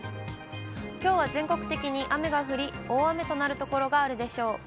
きょうは全国的に雨が降り、大雨となる所があるでしょう。